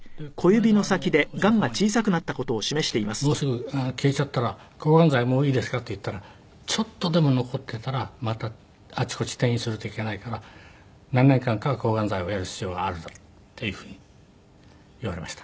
でこの間お医者様に「もうすぐ消えちゃったら抗がん剤もういいですか？」って言ったら「ちょっとでも残っていたらまたあちこち転移するといけないから何年間か抗がん剤をやる必要があるんだ」っていうふうに言われました。